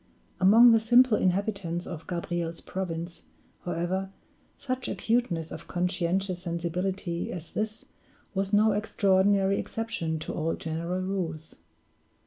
Among the simple inhabitants of Gabriel's province, however, such acuteness of conscientious sensibility as this was no extraordinary exception to all general rules.